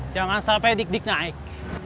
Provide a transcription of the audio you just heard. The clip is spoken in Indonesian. jangan sampai dik dik naik